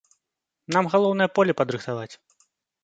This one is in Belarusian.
Нам галоўнае поле падрыхтаваць.